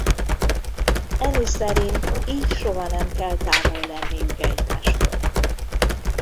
Annie szerint így soha nem kell távol lenniük egymástól.